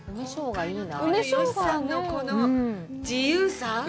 吉さんの、この自由さ？